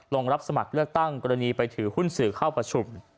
ลงรับสมัครเลือกตั้งกรณีไปถือหุ้นสื่อเข้าประชุม